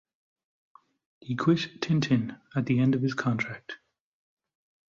He quit "Tintin" at the end of his contract.